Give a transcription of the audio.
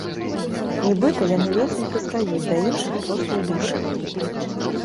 Нібыта яны ледзь не прыстаюць да іншых проста ў д у шы.